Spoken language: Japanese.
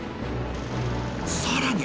さらに